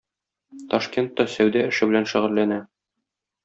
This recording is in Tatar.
Ташкентта сәүдә эше белән шөгыльләнә.